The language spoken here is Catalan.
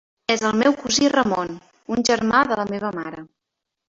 És el meu cosí Ramon, un germà de la meva mare.